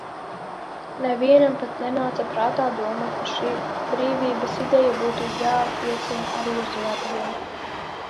Nevienam pat nenāca prātā doma, ka šī brīvības ideja būtu jāattiecina arī uz vergiem.